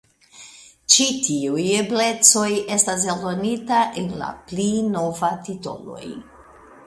Ĉi tiuj eblecoj estas aldonita en la pli nova titoloj.